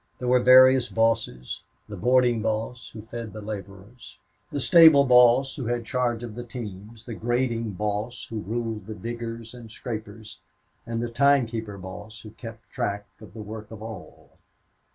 There were various bosses the boarding boss, who fed the laborers; the stable boss, who had charge of the teams; the grading boss, who ruled the diggers and scrapers; and the time keeper boss, who kept track of the work of all.